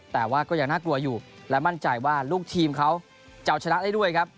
แต่ว่าก็ยังน่ากลัวอยู่และมั่นใจว่าลูกทีมเขาจะเอาชนะได้ด้วยครับ